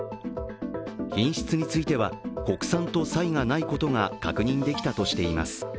品質については国産と差異がないことが確認できたとしています。